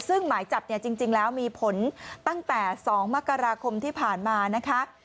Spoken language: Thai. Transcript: ซึ่งหมายจับเนี่ยจริงแล้วมีผลตั้งแต่๒มกราคมที่ผ่านมานะคะ